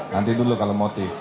nanti dulu kalau motif